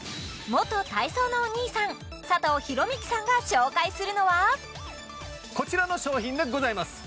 元体操のお兄さん佐藤弘道さんが紹介するのはこちらの商品でございます！